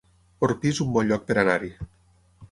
Orpí es un bon lloc per anar-hi